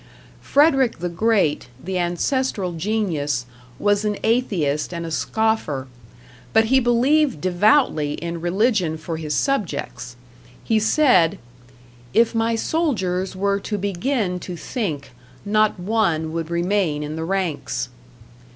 Frederick the Great, the ancestral genius, was an atheist and a scoffer, but he believed devoutly in religion for his subjects. He said: "If my soldiers were to begin to think, not one would remain in the ranks."